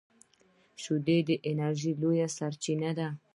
شیدې د انرژۍ لویه سرچینه ده